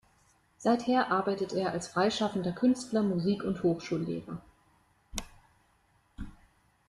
Seither arbeitet er als freischaffender Künstler, Musik- und Hochschullehrer.